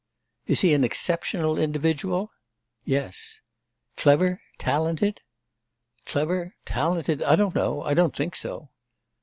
'Is he an exceptional individual?' 'Yes.' 'Clever? Talented?' 'Clever talented I don't know, I don't think so.